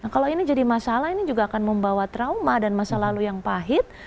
kalau ini jadi masalah ini juga akan membawa trauma dan masa lalu yang pahit